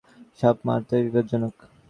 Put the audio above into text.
সাপ মাত্রই বিপজ্জনক।